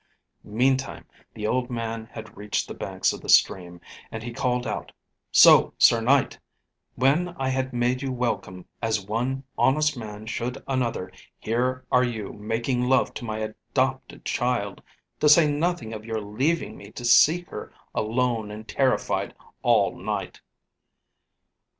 Meantime the old man had reached the banks of the stream, and he called out: "So, Sir Knight, when I had made you welcome, as one honest man should another, here are you making love to my adopted child to say nothing of your leaving me to seek her, alone and terrified, all night."